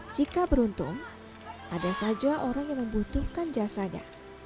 jika beruntung ada saja orang yang membutuhkan jasanya